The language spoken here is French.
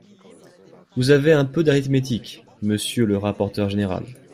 Vous avez un peu d’arithmétique, monsieur le rapporteur général.